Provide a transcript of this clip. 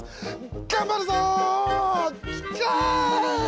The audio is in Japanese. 頑張るぞ！